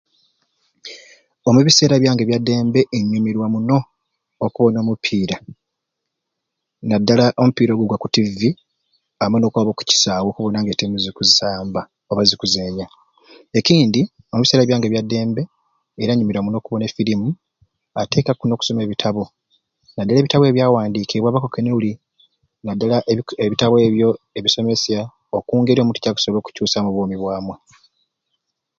Omubiseera byange ebya ddembe nyumirwa muno okubona omupiira nadala omupiira ogwo ogwa ku tivvi amwe n'okwaba oku kisaawe okubona nga e tiimu zikusamba oba zikuzenya. Ekindi omubiseera byange ebya ddembe era nyumirwa muno okubona e firimu a teekaku n'okusoma ebitabu naddala ebitabu ebyo ebyawandiikiibwe aba kekenuli naddala ebi ebitabu ebyo ebisomesya oku ngeri omuntu kyakusobola okucuusamu obwoomi bwamwe.